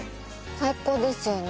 最高ですよね。